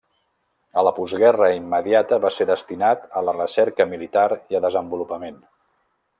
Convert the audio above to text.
A la postguerra immediata va ser destinat a la recerca militar i a desenvolupament.